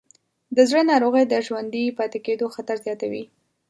د زړه ناروغۍ د ژوندي پاتې کېدو خطر زیاتوې.